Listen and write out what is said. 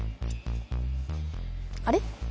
あれ？